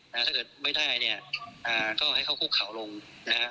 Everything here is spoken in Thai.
ถ้าอย่างไม่ได้เนี่ยก็ให้เข้าคลุกเข่าลงอาหาร